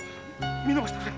見逃してくれ。